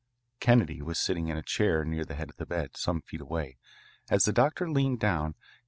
Kennedy was sitting in a chair near the head of the bed, some feet away, as the doctor leaned down.